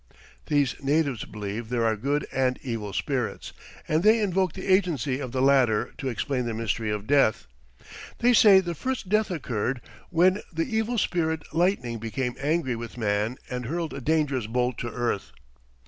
These natives believe there are good and evil spirits, and they invoke the agency of the latter to explain the mystery of death. They say the first death occurred when the evil spirit lightning became angry with man and hurled a dangerous bolt to earth.